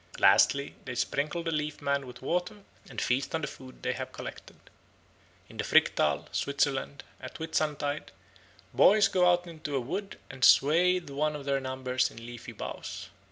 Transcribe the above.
Lastly, they sprinkle the Leaf Man with water and feast on the food they have collected. In the Fricktal, Switzerland, at Whitsuntide boys go out into a wood and swathe one of their number in leafy boughs.